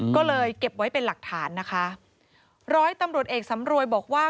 ก็เลยเก็บไว้เป็นหลักฐานนะคะร้อยตำรวจเอกสำรวยบอกว่า